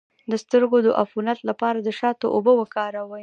د سترګو د عفونت لپاره د شاتو اوبه وکاروئ